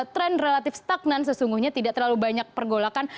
tren relatif stagnan sesungguhnya tidak terlalu banyak pergolakan